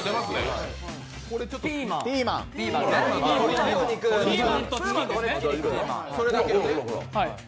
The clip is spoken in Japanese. ピーマンとチキンですね。